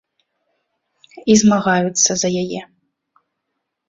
І змагаюцца за яе.